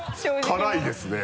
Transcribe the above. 「辛いですね」